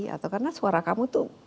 atau karena suara kamu tuh